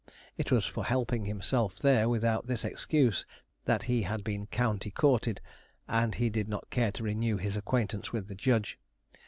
It was for helping himself there, without this excuse, that he had been 'county courted,' and he did not care to renew his acquaintance with the judge.